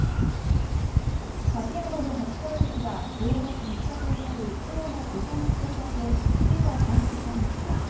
立山の初冠雪は富山市石坂にある富山地方気象台で今朝、観測されました。